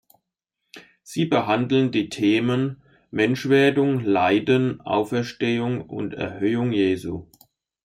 Sie behandeln die Themen: Menschwerdung, Leiden, Auferstehung und Erhöhung Jesu.